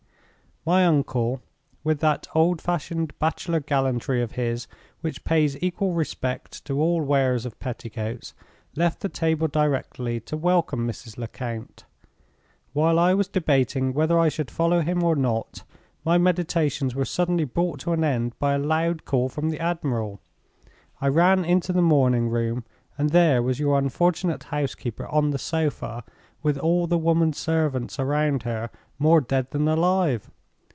"My uncle, with that old fashioned bachelor gallantry of his which pays equal respect to all wearers of petticoats, left the table directly to welcome Mrs. Lecount. While I was debating whether I should follow him or not, my meditations were suddenly brought to an end by a loud call from the admiral. I ran into the morning room, and there was your unfortunate housekeeper on the sofa, with all the women servants about her, more dead than alive.